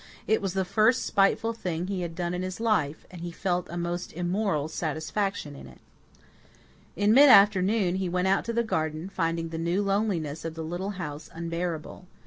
It was the first spiteful thing he had done in his life, and he felt a most immoral satisfaction in it. In mid afternoon he went out to the garden, finding the new loneliness of the little house unbearable.